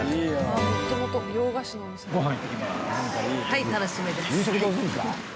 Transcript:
はい楽しみです。